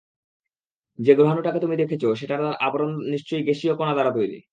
যে গ্রহাণুটাকে তুমি দেখেছে সেটার আবরণ নিশ্চয়ই গ্যাসীয় কণা দ্বারা তৈরী!